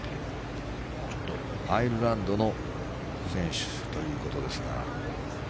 アイルランドの選手ということですが。